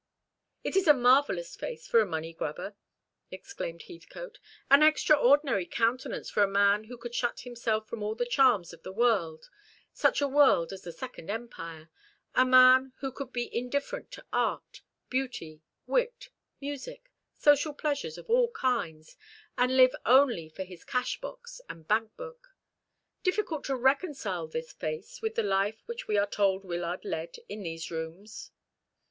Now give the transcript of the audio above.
"It is a marvellous face for a money grubber," exclaimed Heathcote, "an extraordinary countenance for a man who could shut himself from all the charms of the world, such a world as the Second Empire a man who could be indifferent to art, beauty, wit, music, social pleasures of all kinds, and live only for his cash box and bank book. Difficult to reconcile this face with the life which we are told Wyllard led in these rooms."